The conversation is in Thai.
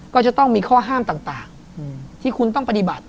ก็จะต้องมีข้อห้ามต่างที่คุณต้องปฏิบัติ